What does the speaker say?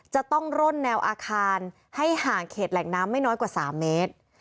จะต้องร่นแนวอาคารให้ห่างเขตแหล่งน้ำไม่น้อยกว่า๓เมตร